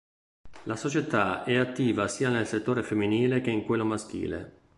La società è attiva sia nel settore femminile che in quello maschile.